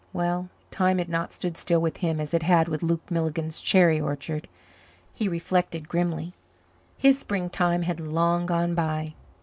Well, time had not stood still with him as it had with Luke Milligan's cherry orchard, he reflected grimly. His springtime had long gone by.